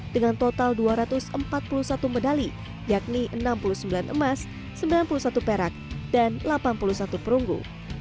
dengan total dua ratus empat puluh satu medali yakni enam puluh sembilan emas sembilan puluh satu perak dan delapan puluh satu perunggu